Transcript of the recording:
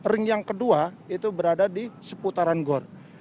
ring yang kedua itu berada di seputaran gor